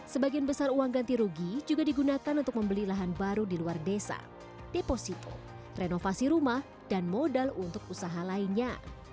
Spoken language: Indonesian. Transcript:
sebagian besar uang ganti rugi juga digunakan untuk membeli lahan baru di luar desa deposito renovasi rumah dan modal untuk usaha lainnya